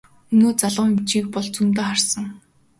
Өнөө залуу эмчийг бол зөндөө харсан.